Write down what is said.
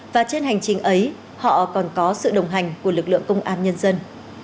và trên hành trình ấy họ còn có sự đồng hành của lực lượng công an nhân dân